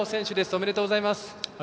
ありがとうございます。